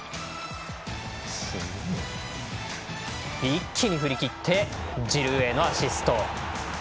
一気に振り切ってジルーへのアシスト。